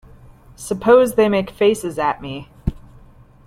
Suppose they make faces at me.